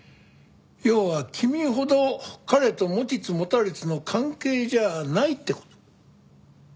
要は君ほど彼と持ちつ持たれつの関係じゃないって事。